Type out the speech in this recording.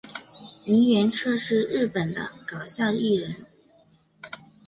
萤原彻是日本的搞笑艺人。